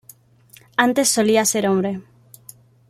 Antes solía ser hombre.